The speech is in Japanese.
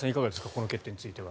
この決定については。